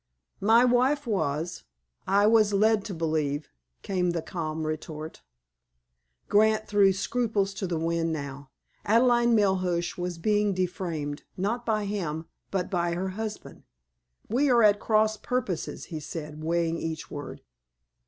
"My wife was, I was led to believe," came the calm retort. Grant threw scruples to the wind now. Adelaide Mulhuish was being defamed, not by him, but by her husband. "We are at cross purposes," he said, weighing each word.